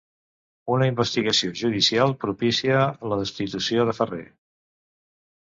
Una investigació judicial propicia la destitució de Ferrer